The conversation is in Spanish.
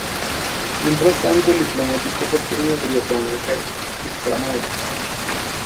Mientras tanto el diplomático porteño debía permanecer extramuros.